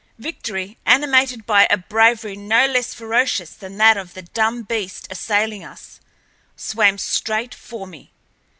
Victory, animated by a bravery no less ferocious than that of the dumb beast assailing us, swam straight for me.